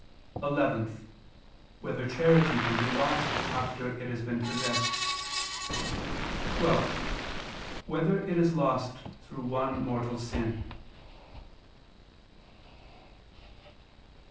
(11) Whether charity can be lost after it has been possessed? (12) Whether it is lost through one mortal sin?